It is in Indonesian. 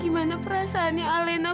gimana perasaannya alena